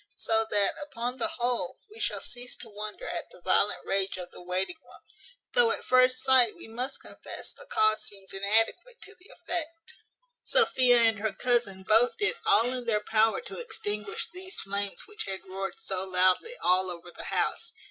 So that, upon the whole, we shall cease to wonder at the violent rage of the waiting woman; though at first sight we must confess the cause seems inadequate to the effect. Sophia and her cousin both did all in their power to extinguish these flames which had roared so loudly all over the house.